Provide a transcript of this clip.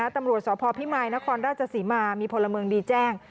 ตำรวจสพพิมายนครราชศรีมามีพลเมืองดีแจ้ง